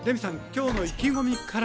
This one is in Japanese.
きょうの意気込みから。